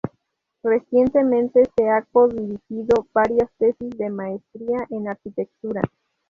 Recientemente ha codirigido varias tesis de Maestría en Arquitectura.